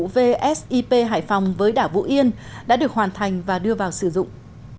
vsip hải phòng với đảo vũ yên đã được hoàn thành và đưa vào sử dụng